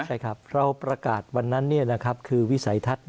ใช่ครับเราประกาศวันนั้นเนี่ยนะครับคือวิสัยทัศน์